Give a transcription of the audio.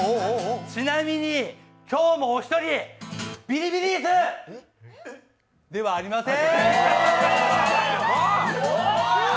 ちなみに、今日もお一人ビリビリ椅子ではありません。